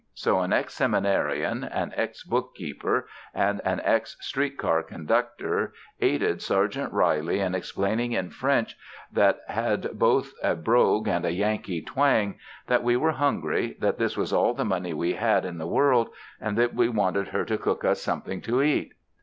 So an ex seminarian, an ex bookkeeper and an ex street car conductor aided Sergeant Reilly in explaining in French that had both a brogue and a Yankee twang that we were hungry, that this was all the money we had in the world, and that we wanted her to cook us something to eat.